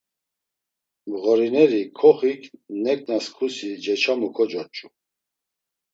Mğorineri, Kohik neǩnas kusi ceçamus kocoç̌u.